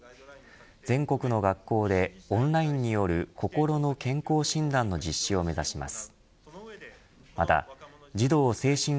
全国の学校でオンラインによる心の健康診断の実施を目指します。